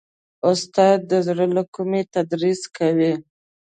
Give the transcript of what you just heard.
استاد د زړه له کومي تدریس کوي.